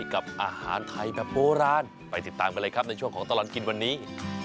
กับอาหารไทยแบบโบราณไปติดตามกันเลยครับในช่วงของตลอดกินวันนี้